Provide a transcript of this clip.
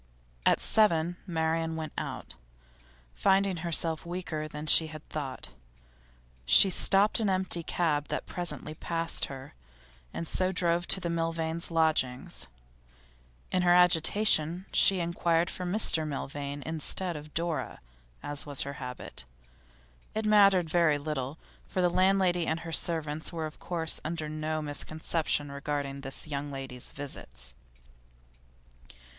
At seven, Marian went out. Finding herself weaker than she had thought, she stopped an empty cab that presently passed her, and so drove to the Milvains' lodgings. In her agitation she inquired for Mr Milvain, instead of for Dora, as was her habit; it mattered very little, for the landlady and her servants were of course under no misconception regarding this young lady's visits.